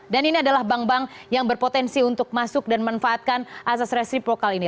dan ini adalah bank bank yang berpotensi untuk masuk dan memanfaatkan asas resiprokal ini